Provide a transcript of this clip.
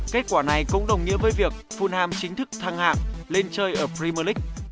kết quả này cũng đồng nghĩa với việc fulham chính thức thăng hạng lên chơi ở premier league